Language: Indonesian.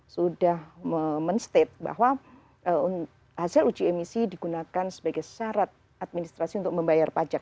sudah men state bahwa hasil uji emisi digunakan sebagai syarat administrasi untuk membayar pajak